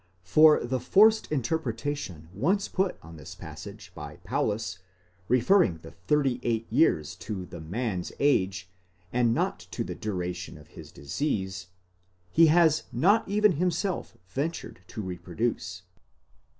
5): for the forced interpretation once put on this passage by Paulus, referring the thirty eight years to the man's age, and not to the duration of his disease, he has not even himself ventured to reproduce."